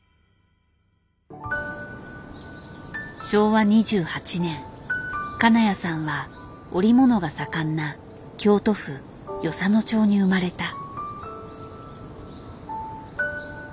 昭和２８年金谷さんは織物が盛んな京都府与謝野町に生まれた。